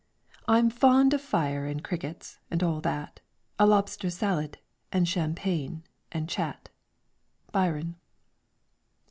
Après. I'm fond of fire and crickets, and all that, A lobster salad, and champagne, and chat. BYRON.